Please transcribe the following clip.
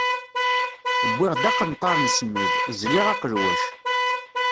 Wwiɣ-d aqenṭar n smid, zliɣ aqelwac.